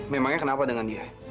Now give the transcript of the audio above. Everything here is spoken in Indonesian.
memangnya kenapa dengan dia